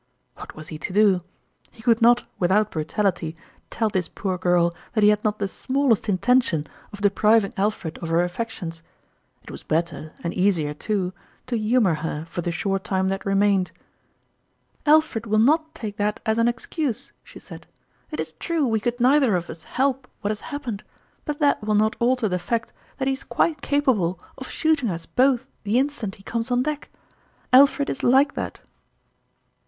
"What was he to do ? He could not, without brutality, tell this poor girl that he had not the smallest intention of depriving Alfred of her 124 tourmalin's &ime affections ; it was better, and easier too, to humor her for the short time that remained. " Alfred will not take that as an excuse," she said. "It is true we could neither of us help what has happened, but that will not alter the fact that he is quite capable of shooting us both the instant he comes on deck. Alfred is like that